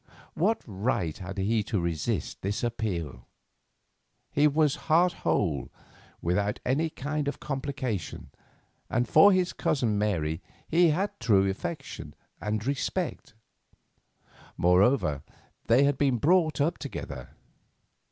What right had he to resist this appeal? He was heart whole, without any kind of complication, and for his cousin Mary he had true affection and respect. Moreover, they had been brought up together.